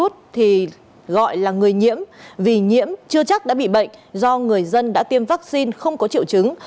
thì gọi là người nhiễm vì nhiễm chưa chắc đã bị bệnh do người dân đã tiêm vaccine không có triệu chứng